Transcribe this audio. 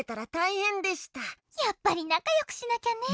やっぱりなかよくしなきゃね！